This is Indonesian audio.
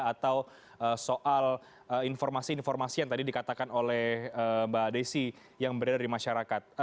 atau soal informasi informasi yang tadi dikatakan oleh mbak desi yang berada di masyarakat